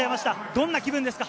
どんな気分ですか？